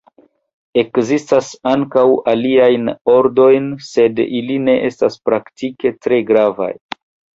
Ekzistas ankaŭ aliaj ordoj, sed ili ne estas praktike tre gravaj.